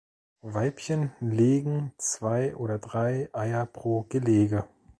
Weibchen legen zwei oder drei Eier pro Gelege.